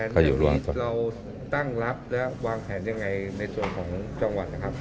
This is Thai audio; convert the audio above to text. ตอนนี้เราตั้งรับและวางแผนยังไงในส่วนของจังหวัดนะครับ